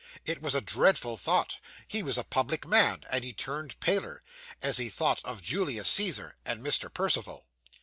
It was a dreadful thought. He was a public man; and he turned paler, as he thought of Julius Caesar and Mr. Perceval.